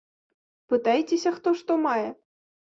Пытайцеся, хто што мае.